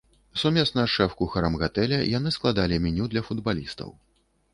Сумесна з шэф-кухарам гатэля яны складалі меню для футбалістаў.